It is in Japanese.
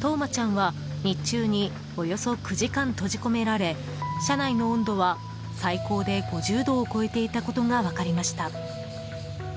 冬生ちゃんは日中におよそ９時間閉じ込められ車内の温度は最高で５０度を超えていたことが分かりました。